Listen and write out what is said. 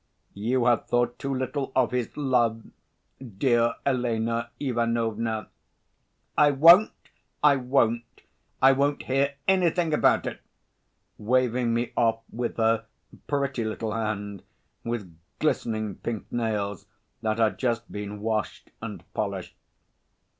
You have thought too little of his love, dear Elena Ivanovna!" "I won't, I won't, I won't hear anything about it!" waving me off with her pretty little hand with glistening pink nails that had just been washed and polished.